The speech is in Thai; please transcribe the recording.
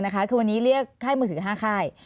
คือวันนี้เรียกค่ายมือถือ๕ค่าย